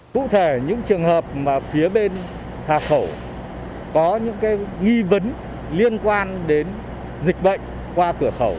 cụ thể những trường hợp mà phía bên hạ khẩu có những nghi vấn liên quan đến dịch bệnh qua cửa khẩu